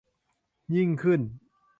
ยิ่งขึ้น